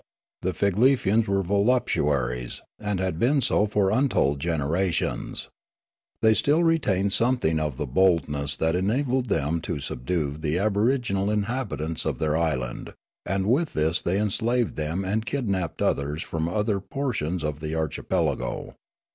The Figlefians were voluptua ries, and had been so for untold generations. They still retained something of the boldness that enabled them to subdue the aboriginal inhabitants of their island ; and w'ith this they enslaved them and kidnapped others from other portions of the archipelago.